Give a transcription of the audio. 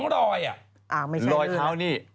รอยเท้านี่